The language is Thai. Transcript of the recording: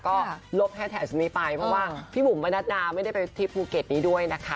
ก็ลบแฮดแท็กนี้ไปเพราะว่าพี่บุ๋มมนัดดาไม่ได้ไปทริปภูเก็ตนี้ด้วยนะคะ